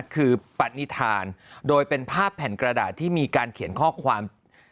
คือปฏิฐานโดยเป็นภาพแผ่นกระดาษที่มีการเขียนข้อความ